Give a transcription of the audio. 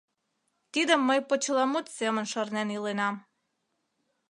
Тидым мый почеламут семын шарнен иленам.